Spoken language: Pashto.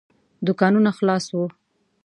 دوکانونه خلاص وو.